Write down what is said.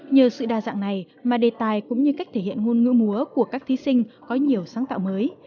nhờ sự đa dạng này mà đề tài cũng như cách thể hiện ngôn ngữ múa của các thí sinh có nhiều sáng tạo mới